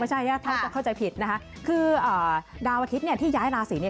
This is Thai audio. ไม่ใช่ท่านเข้าใจผิดคือดาวอาทิตย์ที่ย้ายราศรี